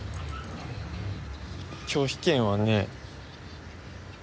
拒否権はねえ。